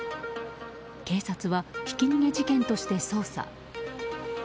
警察はひき逃げ事件として捜査。